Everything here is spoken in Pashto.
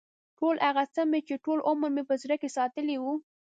ټول هغه څه مې چې ټول عمر مې په زړه کې ساتلي و.